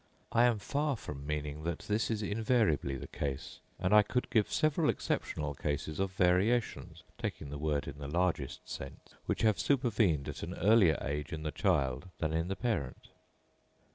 I am far from meaning that this is invariably the case, and I could give several exceptional cases of variations (taking the word in the largest sense) which have supervened at an earlier age in the child than in the parent.